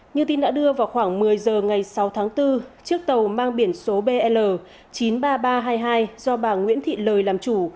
như tin đã đưa vào khoảng một mươi giờ ngày sáu tháng bốn chiếc tàu mang biển số bl chín mươi ba nghìn ba trăm hai mươi hai do bà nguyễn thị lời làm chủ